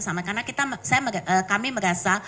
sama karena kami merasa